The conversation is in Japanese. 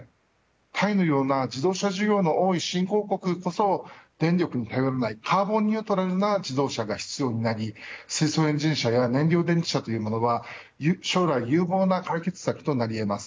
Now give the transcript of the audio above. タイのような自動車需要の多い新興国こそ電力に頼らないカーボンニュートラルな自動車が必要になり水素エンジン車や燃料電池車というものは将来有望な解決策となりえます。